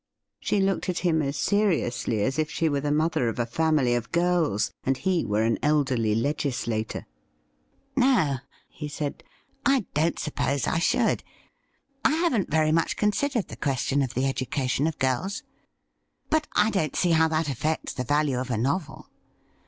She looked at him as seriously as if she were the mother of a family of girls, and he were an elderly legislator. ' No,' he said, ' I don't suppose I should. I haven't very much considered the question of the education of girls. But I don't see how that affects the value of a novel.